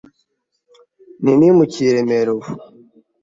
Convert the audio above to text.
nti nimukiye Remera; ubu